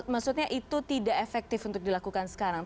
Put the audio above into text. maksudnya itu tidak efektif untuk dilakukan sekarang